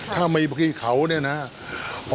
ถ้ามีพี่เขาเนี่ยนะครับ